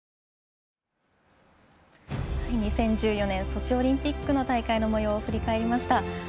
２０１４年ソチオリンピックの大会の模様を振り返りました。